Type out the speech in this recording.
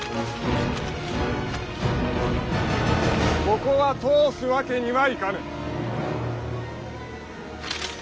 ここは通すわけにはいかぬ。